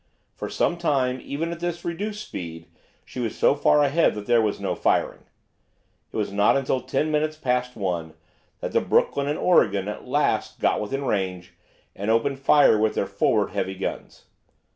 For some time, even at this reduced speed, she was so far ahead that there was no firing. It was not until ten minutes past one that the "Brooklyn" and "Oregon" at last got within range and opened fire with their forward heavy guns.